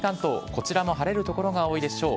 こちらも晴れる所が多いでしょう。